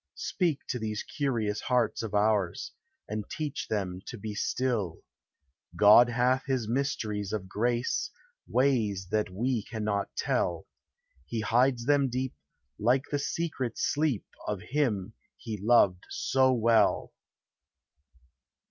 Speak to these curious hearts of ours, And teach them to be still: God hath his mysteries of grace, Ways that we cannot tell, He hides them deep, like the secret sleep Of him he loved so well.